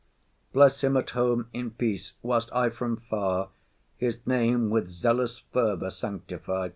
Bless him at home in peace, whilst I from far His name with zealous fervour sanctify.